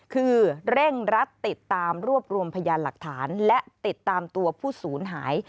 คือเร่งรัดติดตามรวบรวมพยานหลักฐานและติดตามตัวผู้ศูนย์หาย